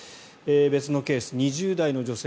別のケース、２０代の女性